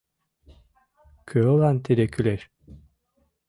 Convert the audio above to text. Кӧлан тиде кӱлеш?